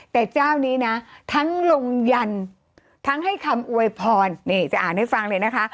แต่เจ้านี้นะทั้งลงยันทั้งให้คำอวยพรนี่จะอ่านให้ฟังเลยนะคะ